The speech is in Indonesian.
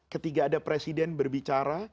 ketika ada presiden berbicara